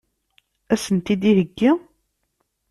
Ad sen-t-id-iheggi?